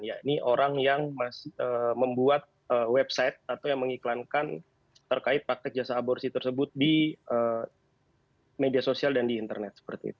yakni orang yang membuat website atau yang mengiklankan terkait praktek jasa aborsi tersebut di media sosial dan di internet